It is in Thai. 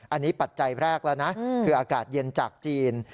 อันนี้ปัจจัยแรกแล้วนะคืออากาศเย็นจากจีน